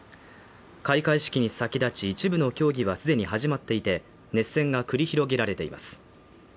開会式に先立ち一部の競技はすでに始まっていて熱戦が繰り広げられています